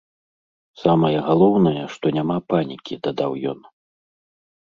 Самае галоўнае, што няма панікі, дадаў ён.